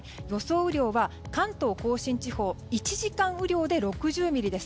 雨量は関東・甲信地方１時間雨量で６０ミリです。